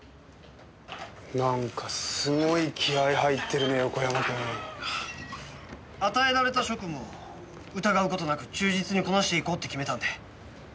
なんかすごい気合入ってるね横山君。与えられた職務を疑う事なく忠実にこなしていこうって決めたんで。